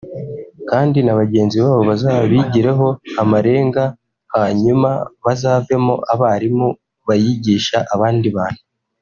kandi na bagenzi babo bazabigireho amarenga hanyuma bazavemo abarimu bayigisha abandi bantu